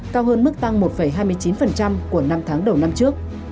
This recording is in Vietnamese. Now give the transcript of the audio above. cao hơn mức tăng một hai mươi chín của năm tháng đầu năm trước